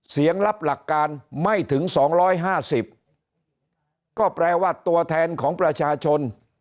เสียงรับหลักการไม่ถึง๒๕๐ก็แปลว่าตัวแทนของประชาชน